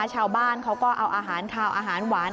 ชาวบ้านเขาก็เอาอาหารขาวอาหารหวาน